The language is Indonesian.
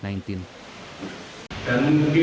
dan mungkin agak berbeda dengan daerah lain